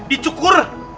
cakap cukur kalau begitu